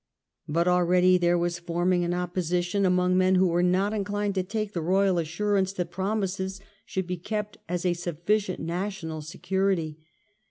But already there was forming an opposition, among men who were not inclined to take the royal assurance that promises should be kept as a sufficient national security.